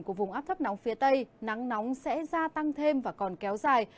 của vùng áp thấp nóng phía tây nắng nóng sẽ gia tăng thêm và còn kéo dài